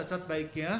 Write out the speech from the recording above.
ada sacat baiknya